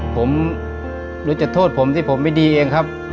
ผมรู้จะโทษผมที่ผมไม่ดีเองครับ